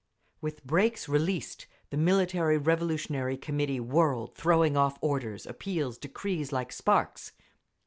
With brakes released the Military Revolutionary Committee whirled, throwing off orders, appeals, decrees, like sparks.